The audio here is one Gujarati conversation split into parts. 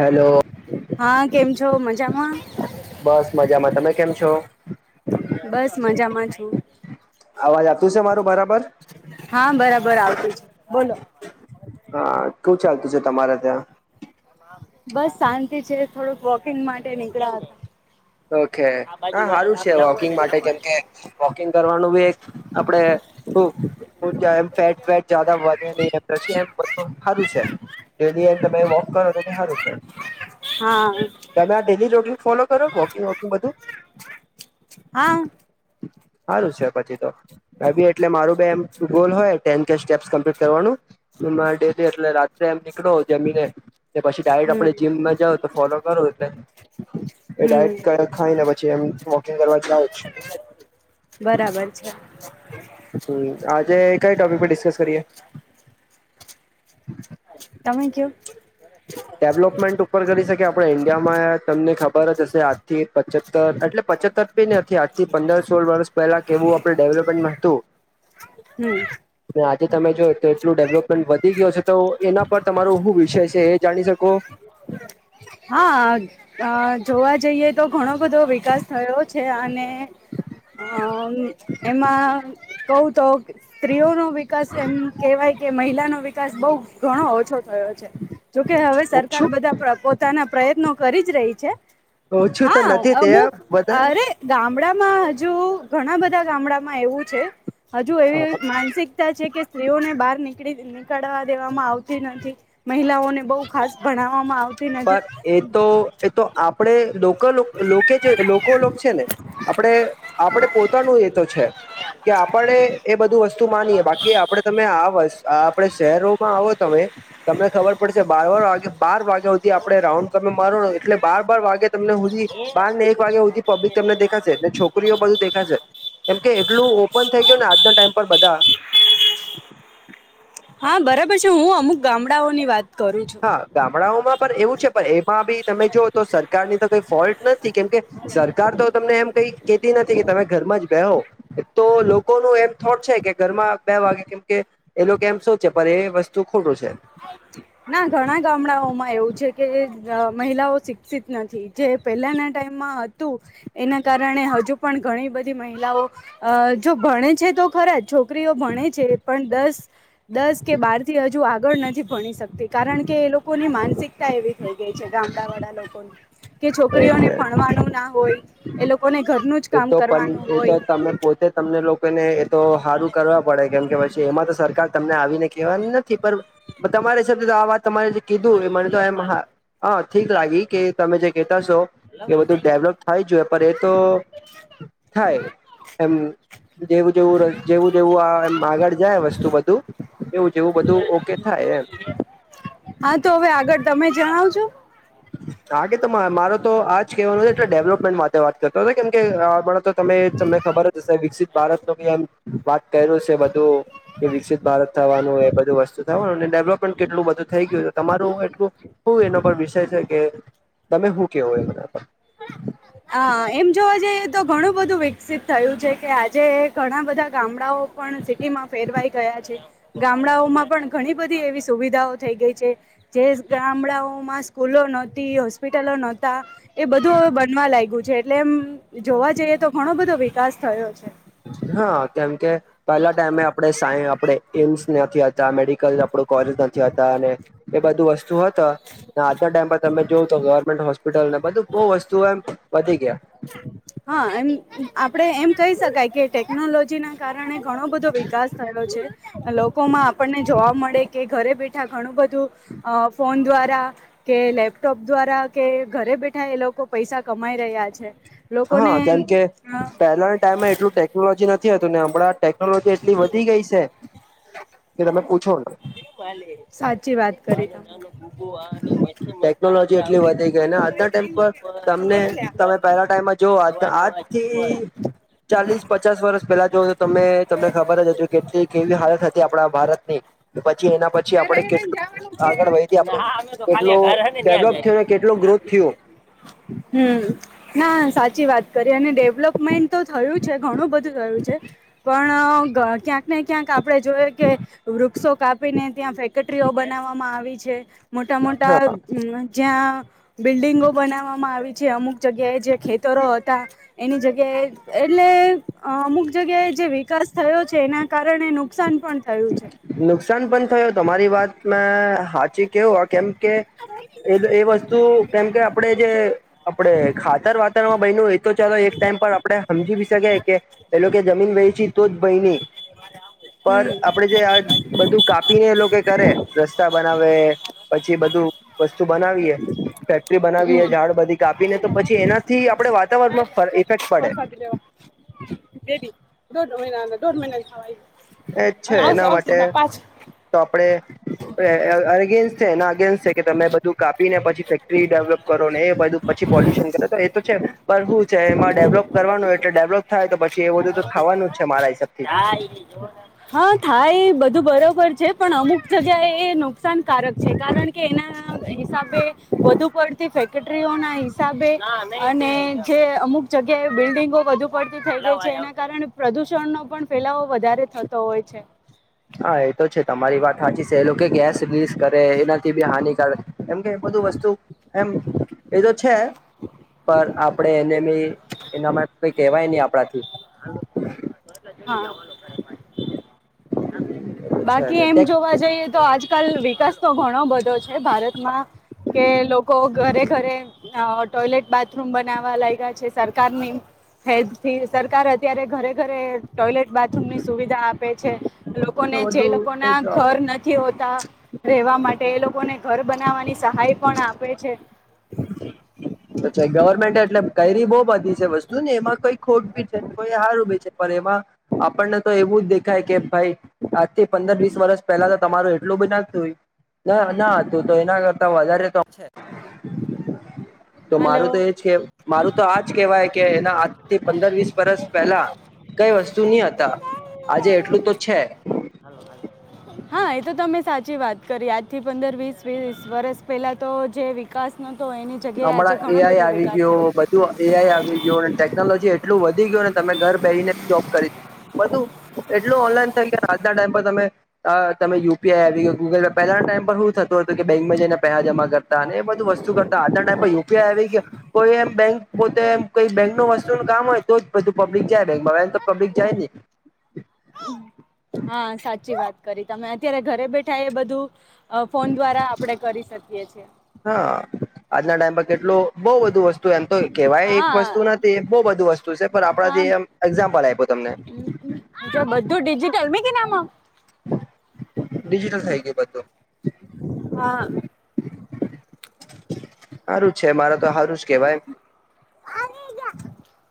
હેલો હા કેમ છો મજામાં બસ મજામાં તમે કેમ છો? બસ મજામાં છું. અવાજ આવતું છે મારું બરાબર હા બરાબર આવતી છે બોલો. કું ચાલતું છે તમારા ત્યાં? બસ શાંતિ છે થોડુંક વોકિંગ માટે નીકળ્યા હતા. ઓકે હા સારું છે. વોકિંગ માટે કેમકે વોકિંગ કરવાનું બી એક આપડે ફેટેટ વધે ન પછી એમ સારું છે ડ તમે વોક કરો તો સારું છે. હતા હા તમે આ ડેલી રોટીન ફોલો કરો વોકિંગ વોકિંગ બધું? હા સારું છે પછી તો ભી એટલે મારું એમ ગોલ હોય ટેન કે સ્ટેપ્સ કમ્પ્લીટ કરવાનું ડેલી એટલે રાત્રે એમ નીકળો જમીને કે પછી ડાયટ હમ આપણે જીમમાં જઓ તો ફોલો કરું એટલે એ હમ ડાયટ ખાઈને પછી એમ વોકિંગ કરવા જાવં છું. બરાબર છે કઈ ટોપિક પરે ડિસ્કસ કરીએ? તમે કેવો? ડેવલોપમેન્ટ ઉપર કરી શકીએ આપણે ઈન્ડિયામાં તમને ખબર જ હશે આજ થી પચતર એટલે પચતર પી આજ થી પંદર સોળ વર્ષ પહેલા કેવું આપડે ડેવલપમેન્ટમાં હતું. હમ્મ. જે તમે જોય તો એટલું ડેવલપમેન્ટ વધી ગયો છે તો એના પર તમારો હું વિષય છે એ જાણી શકો? હા જોવા જઈએ તો ઘણો બધો વિકાસ થયો છે અને અ એમાં કવું તો સ્ત્રીઓ નો વિકાસ એમ કેવાય કે મહિલા ન વિકાસ બહ ઘણો ઓછો થયો છે. જોકે હવે ઓછું સરકાર બધા પ્રપો પ્રયત્નો કરીજ રહી છે. ઓછું તો હા નથી તે અમુક બધા અરે ગામડા હજુ ઘણા બધા ગામડામાં એવું છે હજુ એવી હા માનસિક છે કે સ્ત્રીઓને બહાર નીળ નીકળવા દેવામાં આવતી નથી. મહિલાઓને બહ ખાસ ભ નાવામાં આવ પણ એ તો એ તો આપણે [inaudible] જે લોકો છે ને આપણે આપડે પોતાનું એ તો છે કે આપણે એ બધું વસ્તુ તુ માનીએે બાકી આપડે તમે આ [unintelligible] આપે શહેરોમાં આવો તમે તમને ખબર પડશે બાર બાર વાગે બાર વાગ્યા આપણે રાઉન્ડ, ગમે મારો એટલે બાર બાર વાગે ત બારને એક વાગ્યા હુદી, પબ્લિક તમને દેખાશે છોકરીઓ બધું દેખા છે, કેમ કે આટલું ઓપન થઈ, ગયું ને આજના ટાઈમ પર બધા. હા, બરાબર છે, હું અમુક ગામડાઓની વાત કરું છું હા, ગામડાઓમાં પણ એવું છે, પણ એમાં બી, તમે જોઓ તો સરકારની તો કઈ ફોલ્ટ નથી, કેમકે સરકાર તો તમને એમ કઈ કેતી નથી, કે તમે ઘરમાં જ બેહો તો લોકોનું એમ થોટ છે, કે ઘરમાં બે વાગે કેમ કે એ લોકો એમ શો છેે, પણ એ વસ્તુ તો ખોટો છે. ના ઘણા ગામડાઓમાં એવું છે, કે મહિલાઓ શિક્ષિત નથી જે પહેલાના ટાઈમાં હતું, એના કારણે હજુ પણ ઘણી બધી મહિલાઓ અ જો ભણે છે. તો ખરા છોકરીઓ ભણે છે, પણ દસ દસ કે બાર થી હજુ આગળ નથી, ભણી શક કારણ કે એ લોકોની માનસિકતા એવી થઈ ગઈ છે, ગામડા વાળા લોકોની કે ઓકે છોકરીઓને ભણવાનો ના હોય, એ લોકોને ઘર એ તો પણ એ તો તમે પોતે તમને લોકોને એ, તો સારું કરવા પડે કેમ કે પછી એમાં, તો સરકાર તમને આવીને કેવાની નથી, પણ તમારા હસાબ તો આ વાત તમારે જે કીધું, એ મને તો આમ હા હા ઠીક લાગી, કે તમે જે કહેતા છો એ બધું ડેવલપ થાય જોએ પણ એ તો થાય, એમ જેવું જેવું, જેવું જેવું આ એમ આગળ જાય વસ્તુ. બધું એવું જેવું બધું, ઓકે થાય. એમ.. હા, તો હવે આગળ તમે જણાવ જો? હગે, તો મારો તો આજ કેવાનું છે, એટલે ડેવલપમેન્ટ માટે વાત કરતો હતો, કેમ કે તો તમે તમને ખબર જ હશે વિકસિત ભારત ન આમ વાત કર્યું છે, બધું કે વિકસિત ભારત થવાનુંય એ બધું વસ્તુ થવાનું ડેવલપમેન્ટ કેટલું બધું થઈ ગયું, તો તમારું એટલું એના પર બજવાશ બના કે, તમે શું કેવો એ બરાર હા એમ જોવા જઈએ તો ઘણું બધું વિકસિત થયું છે, કે આજે ઘણા બધા ગામડાઓ પણ સિટીમાં ફેરવાઈ ગયા. ગામડાઓમાં પણ ઘણી બધી એવી સુવિધાઓ થઈ ગઈ, છે. જે ગામડાઓમાં સ્કૂલો નહોતી, હોસ્પિટલો નહોતી એ બધું હ બનવા લાગ્યું છે, એટલે એમ જોવા જઈએ, તો ઘણો બધો વિકાસ થયો છે. હા, કેમકે પહેલા ટાઈમે, આપણે સા આપણે એમ્સ નથી, હતા મેડિકલ કોલેજ નથી, અને એ બધું વસ્તુ, હત આજ ટાઈમ પર તમે જો તો ગવર્મેન્ટ હોસ્ સ્પિટલ ને બધું, બહુ વસ્તુ એમ વધી ગયા હા, એમ આપડે એમ કહી શકાય કે ટેકનોલોજીના કારણે ઘણો બધો વિકાસ થયો છે, લોકોમાં આપણને જવાબ મળે કે ઘરે, બેઠા ઘણું, બધું ફોન, અ દ્વારા કે લેપટોપ દ્વારા કે ઘરે બેઠા, એ લોકો પૈસા કમાઈ રહ્યા છે. લોકોને હા, કેમકે અ પહેલાના ટાઈમે એટલું ટેકનોલોજી નથી, હતું ને હમણાં ટેનોલોજી, એટલી વધી ગઈ છે. કે, તમે પૂછો સાચી, વાત કરી હું આને, મસ્ત મસ્ત ટેકનોલોજી હાલસા, એટલી વધી આવ ગઈ ને મસ્ત આજના મત ટાઈમ પર તમને લોકોરા તમે ના પહેલા ટાઈમમાં જો, આ આજથી ચાલીસ પચાસ વર્ષ, પેલા જો તમે તમને ખબર જ હજ કેટલી કેવી હાલત હતી, આપણા ભારતની પછી, એના પછી હવે રહી આપડણે રહીને કેટલું જવાનું છે આગળ વધહીી આપણે કેટલો ડેવલપ થયો, ને કેટલો ગ્રોથ થયો હમ ના સાચી વાત કરી, અને ડેવલપમેન્ટ તો થયું છે, ઘણું બધું થયું છે, પણ ક્યાંક ને ક્યાંક આપણે જોય, કે વરુ ક્ષો કાપીને, ત્યાં ફેક્ટરીઓ બનાવવામાં આવી છે, મોટા મોટા હા જ્યાં બિલ્ડિંગો, બનાવવામાં આવી જે અમુક જગ્યાએ જે, ખેતરો હતા, એની જગ્યાએ એટલે અમુક જગ્યાએ જે વિકાસ થયો છે એના કારણે નુકસાન પણ થયું છે. નુકસાન પણ થયું તમારી વાત મે હાચી કેવું કેમ કે એ એ વસ્તુ કેમ કે આપડે જે આપડે ખાતર વાતરમાં બન એ તો ચાલો એક ટ આપે સમજી શકી કે એ જમીન વે છેી તો જ ભયને પર હમ આપણે જે આ બધું કાપીને એ લોકો કરે રસ્તા બનાવે પછી બધું વસ્તુ બનાવીએ ફેક્ટરી બનાવીએ ઝાડ બધી કાપીને તો પછી એનાથી આપડણે વાતાવરણમાં ફ ઇફેક્ટ બ પડે સાધ લવા દોઢ મહિના દોઢ મહિનાની સવા એ જ છે એના માટે તો આપડે અગેન્ છે એના અગેન્સ્ટ છે કે તમે બધું કાપીને પછી ફેક્ટરી ડેવલપ કરો ને એ બધું પછી પોલ્યુશન કરે તો એ તો છે પણ હું છે એમાં ડેવલોપ કરવાનું એટલે ડેવલપ થાય તો પછી એવ બધું તો થવાનું જ છે મારા હિસાબથી હા થાય એ બધું બરોબર છે પણ અમુક જગ્યાએ એ નુકસાનકારક છે કારણ કે એના હિસાબે વધુ પડતી સટરીઓ ના હિસાબે અને જે અમુક જગ્યાએ બિલ્ડીંગો વધુ પડતી થઈ ગઈ છે. એના કારણે પ્રદુષણનોો પણ ફેલાવો વધારે થતો હોય છે. હા એ તો છે તમારી વાત સાચી છે એ લોકો કે ગેસ લીસ કરે એનાથી બી હાનિકારક એમ કે બધું વસ્તુ એમ એ તો છે. પણ આપણે એને બી એનામાં કઈ કહેવાય નહી આપણાથી [unintelligible] છે બાકી ને એમ જોવા જઈએ તો આજકાલ વિકાસ તો ઘણો બધો છે ભારતમાં કે લોકો ઘરે ઘરે ટોયલેટ બાથરૂમ બનાવવા લાગ્યા છે સરકારની હેથી સરકાર અત્યારે ઘરે ઘરે ટોયલેટ બાથરૂમ ની સુવિધા આપે છે. લોકોને જે બધું લોકો એ ના ઘર તો નથી હોતા રહેવા માટે એ લોકોને ઘર બનાવાની સ ભાઈ પણ આપે છે. પ્છ ગવર્મેન્ટ એટલે કરી બઉુ બધી છે વસ્તુ ને એમાં કોઈ ખોટ બી છે કોઈ હહાર ઉભે છે પરેમાં આપણને તો એવું જ દેખાય કે ભાઈ આજથી પંદર વીસ વર્ષ પહેલા તો તમારું એટલું બ નાતુંય ના ના હતું તો એના કરતા વધારે તો છે. તો હલો મારું તો એજ મારું તો આજ કેવાય કે એના આજ થી પંદર વીસ વર્ષ પહેલા કઈ વસ્તુ નહ હતા આજે એટલું તો છે. હા એ તો તમે સાચી વાત કરી આજ થી પંદર વીસ વીસ વર્ષ પેલા તો જે વિકાસ તો એની જગ્યાએ હમણાં આજે ઘણો એઆઈ બધો આવી વિકાસ ગયો બધું થ આવી ગું ટેકનોલોજી એટલું વધી ગયું તમે ઘર બેહી ને જોબ કરી બધું એટલું ઓનલાઈન થઈ કે આજના ટાઈમ પર તમે તમે યુપીઆઈ આવી ગયો ગૂગલ પહેલા ટાઈમ શું થતો હતું કે બેંકમાં જઈને પેસા જમા કરતા અને એ બધું વસ્તુ કર આજના ટાઈમ યુપઆઈ આવી ગયા કોઈ એમ બેંક- પોતે કઈ બેંક ન વસ્તુ નું કામ હોય તો બધું પબ્લિક જાય બેંકમાં તો પબ્લિક જાય નહી. હા સાચી વાત કરી તમે અત્યારે ઘરે બેઠા એ બધું ફોન દ્વારા આપણે કરી શકીએ છીએ. ટ બહ બધુ વસ્તુ એમ કેવાય એક હા વસ્તુ નથી બહુ બધુ વસ્તુ છે પણ આપડા હા જે [unintelligible] એામ્પલ આપ્યો તમને. જો બધું ડિજિટલ મે કે નામાં [unintelligible] ડિજિટલ થઈ ગયું બધું. હા. સારું જ છે મારે તો સારું જ કેવાય.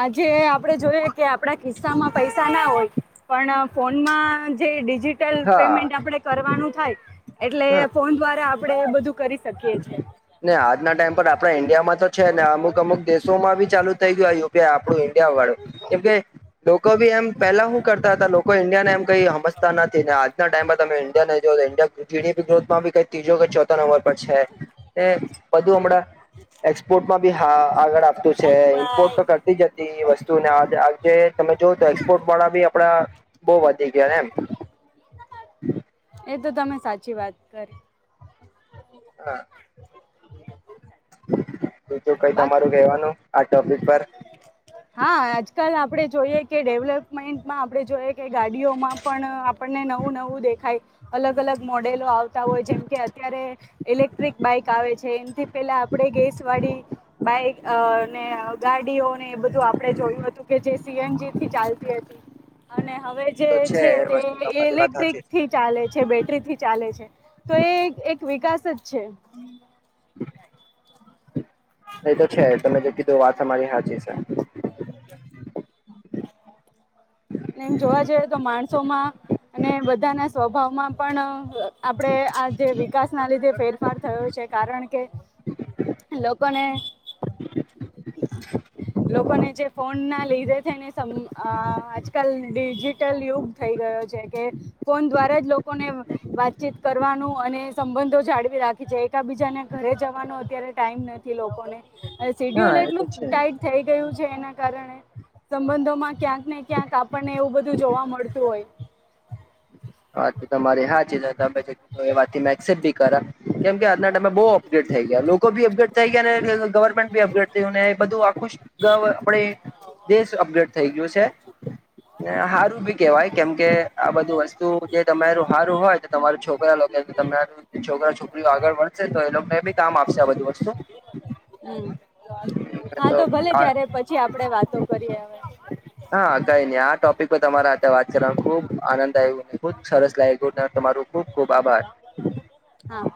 આજે આપડે જોય કે આપડા કિસ્સા માં પૈસા ના હોય પણ ફોનમાં જે ડિજિટલ પેમેન્ટ હા આપડે કરવાનું થાય એટલે હ ફોન દ્વારા આપડે એ બધું કરી. શકીએ છે ને આજના ટાઈમ પર આપડા ઈન્ડિયામાં તો. છે ને અમુક અમુક દેશોમાં બી ચાલુ થઈ ગયું યુપી આપણું ઈન્ડિયા વાળું કેમકે. લોકો ભી એમ પહેલા શું કરતા હતા લોકો ઇન્ડિયાને એમ કઈ સમજતા નથી ને આજના ટાઈમ પર તમે ઇન્ડિયા ને જો. ઈન્ડિયા જી ગ્રોથ માં બી કઈ ત્રીજો કે ચોથો નંબર પર છે એ બધું હમણાં. એક્સપોર્ટમાં બી હા. આગળ આપતું છે ઇમ્પોર્ટ તો કરતી જ હતી વસ્તુ ને આ આ જેે તમે. જો તો એક્સપોર્ટ વાળા બી આપડા બહ વધી ગયા એમ. એ તો તમે સાચી વાત કર. હા. બું તું કઈ બાકી તમારું કવાનું આ ટોપિક પર. હા આજકાલ આપડે. જોઈએ કે ડેવલપમેન્ટમાં આપણે જોઈએ કે ગાડીઓમાં પણ આપણને નવું નવું દેખાય. અલગ અલગ મોડેલ. આવતા હોય જેમ કે અત્યારે ઇલેક્ટ્રિક બાઈક આવે છે એમથી પેલા આપણે ગેસ વાળી. બાઈક અને ગાડીઓને. એ બધું આપે જોયું હતું કે જે સીએનજી થી ચાલતી હતી. અને હવે જે તો છે એ તે વસ્તુ તમારી વાત ઇલેક્ટ્રિક સાચી છે. થી ચાલે છે બેટરી થી ચાલે છે. તો એ એક વિકાસ જ છે. એ તો છે તમે જે કીધું વાત અમારી હચ છે. હ [unintelligible] એમ જોવા જઈએ તો માણસોમાં અને બધાના સ્વભાવમાં પણ. આપડે આ જે વિકાસ ના લીધે ફેરફાર થયો છે કારણ કે. લોકોને. [inaudible] લોકોને જે ફોન ના લીધે થને આજકાલ ડિજિટલ યુગ થઈ ગયો છે કે ફોન દ્વારા જ લોકોને વાતચીત કરવાનું. અને સંબંધો જાળવી રાખી છેએકબીજાને ઘરે જવાનો અત્યારે ટાઈમ નથી લોકોને સીડ્યુલ હા એ તો એટલું છે ટાઈટ થઈ ગયું છે એના કારણે સંબંધો માં ક્યાંક ને ક્યાંક આપણને એવું બધું જોવા મળતું હોય. હા તો તમારે હા ચી વાત મેસેપ બી કરા કેમ કે આજના ટાઈમે બહુ અપગ્રેડ થઈ ગયા લોકો બી અપગ્રેડ થઈ ગયા ને ગવર્મેન્ટ બી અપગ્રેડ થયું ને એ બધું ખુશ આપણે દેશ અપગ્રેડ થઈ ગયો છે. સારું ભી કેવાય કેમ કે આ બધું વસ્તુ તું જે તમારું હારું હોય તો તમારું છોકરા લો કે તમાું છોકરા છોકરા આગળ વધશે તો એ લોકોને બી કામ આપશે આ બધી વસ્તુ હમ હા તો ભલે ત્યારે પછી આપડે વાતો કરીએ હ હા ક [unintelligible] ટોપિક તમારા સાથે વાત કરવાનો ખુબ આનંદ આવ્યો ખુબ સરસ લાગ ગ તમારોું ખુબ ખુબ આભાર. [inaudible] હા